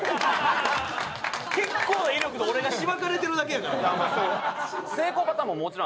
結構な威力で俺がしばかれてるだけやから。